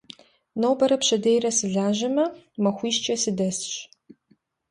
Нобэрэ пщэдейрэ сылэжьэжмэ, махуищкӏэ сыдэсщ.